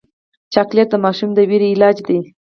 چاکلېټ د ماشوم د ویرې علاج دی.